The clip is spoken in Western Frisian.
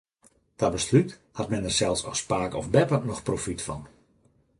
Ta beslút hat men der sels as pake of beppe noch profyt fan.